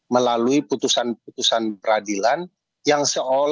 melalui putusan putusan peradilan yang seolah olah